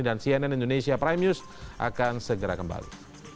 dan cnn indonesia prime news akan segera kembali